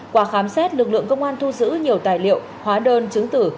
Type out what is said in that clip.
qua khám xét lực lượng công an thu giữ nhiều tài liệu hóa đơn chứng tử